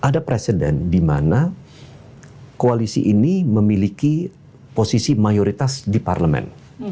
dan di mana koalisi ini memiliki posisi mayoritas di parlemen